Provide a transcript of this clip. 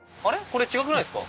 これ違くないですか？